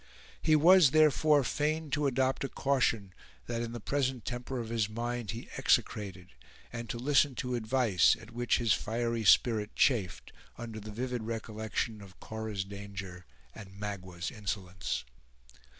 He was, therefore, fain to adopt a caution that in the present temper of his mind he execrated, and to listen to advice at which his fiery spirit chafed, under the vivid recollection of Cora's danger and Magua's insolence.